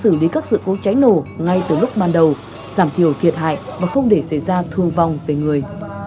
xử lý các sự cố cháy nổ ngay từ lúc ban đầu giảm thiểu thiệt hại và không để xảy ra thương vong về người